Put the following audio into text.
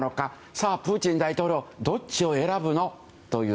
さあ、プーチン大統領どっちを選ぶのという。